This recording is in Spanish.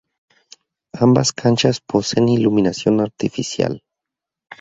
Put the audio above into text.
Ambas canchas poseen iluminación artificial.